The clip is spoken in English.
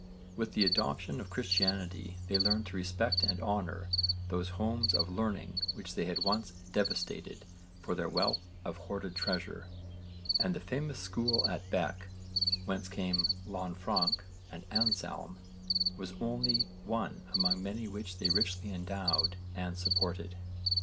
With the adoption of Christianity they learned to respect and honour those homes of learning which they had once devastated for their wealth of hoarded treasure, and the famous school at Bec, whence came Lanfranc and Anselm, was only one among many which they richly endowed and supported.